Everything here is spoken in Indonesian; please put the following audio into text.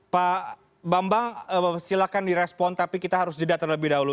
pak bambang silahkan direspon tapi kita harus jeda terlebih dahulu